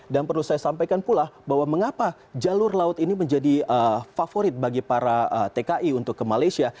dan perlu saya sampaikan pula bahwa mengapa jalur laut ini menjadi favorit bagi para tki untuk ke malaysia